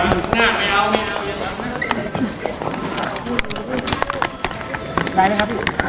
วันนี้หลังจากที่มีดานฟังคำนักอักษรแล้ว